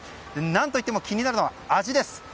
何といっても気になるのは味です。